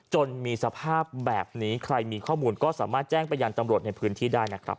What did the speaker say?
จนมีสภาพแบบนี้ใครมีข้อมูลก็สามารถแจ้งไปยังตำรวจในพื้นที่ได้นะครับ